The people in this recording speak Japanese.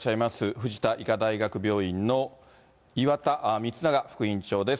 藤田医科大学病院の岩田充永副院長です。